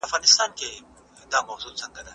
یواځې مرګ دی چي انسان له ټولو ناروغیو ژغوري.